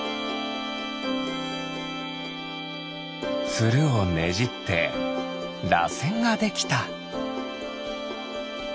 ツルをねじってらせんができた。